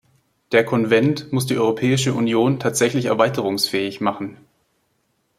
Der Konvent muss die Europäische Union tatsächlich erweiterungsfähig machen.